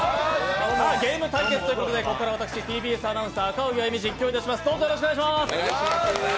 ゲーム対決ということで、ここからはＴＢＳアナウンサー赤荻歩実況いたします。